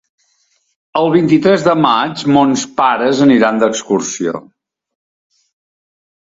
El vint-i-tres de maig mons pares aniran d'excursió.